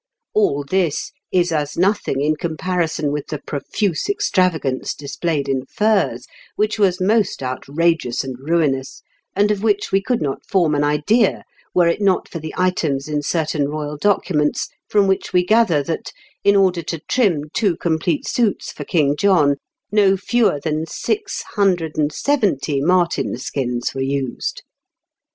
All this is as nothing in comparison with the profuse extravagance displayed in furs, which was most outrageous and ruinous, and of which we could not form an idea were it not for the items in certain royal documents, from which we gather that, in order to trim two complete suits for King John, no fewer than six hundred and seventy martens' skins were used.